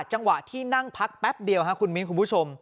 จังหวะที่นั่งพักแป๊บเดียวคุณมิ้นคุณผู้ชม